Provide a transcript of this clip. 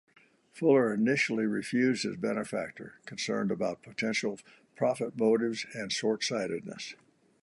Fuller initially refused his benefactor, concerned about potential profit motives and short-sightedness.